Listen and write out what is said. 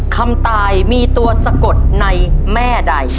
คำตายมีตัวสะกดในแม่ใด